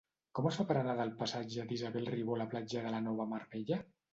Com es fa per anar del passatge d'Isabel Ribó a la platja de la Nova Mar Bella?